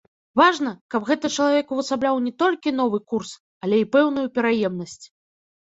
Важна, каб гэты чалавек увасабляў не толькі новы курс, але і пэўную пераемнасць.